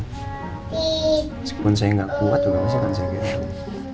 meskipun saya nggak kuat juga pasti akan saya kira